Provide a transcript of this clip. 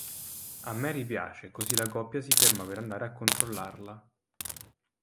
A Mary piace, così la coppia si ferma per andare a controllarla.